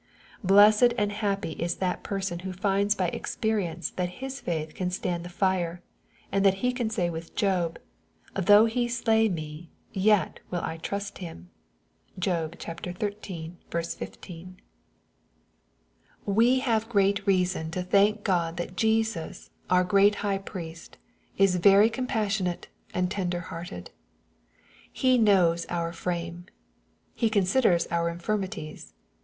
Blessed and happy is that person who finds by experience that his faith can stand the fire, and that he can say with Job, " though he slay me, yet will I trust in him." (Job xiii. 15.) 80 EXPOSITORY THOUGHTS. We have great reason to thank Gk>d that Jesus, onr great High priest, is very compassionate and tender hearted. He knQ\^ our frame. He cons iders our infir mities.